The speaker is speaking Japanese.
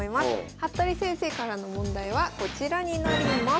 服部先生からの問題はこちらになります。